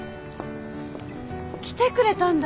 来てくれたんだ。